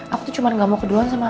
aku tuh cuma nggak mau kedua orang sama